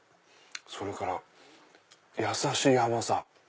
それからやさしい甘さ。